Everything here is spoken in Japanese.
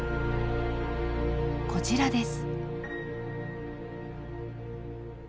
こちらです。